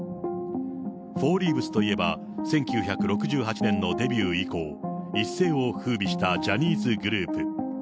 フォーリーブスといえば、１９６８年のデビュー以降、一世をふうびしたジャニーズグループ。